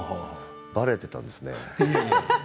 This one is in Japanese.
ばれていたんですね。